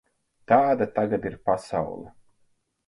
Tāda tagad ir pasaule.